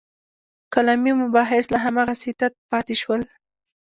کلامي مباحث لا هماغسې تت پاتې شول.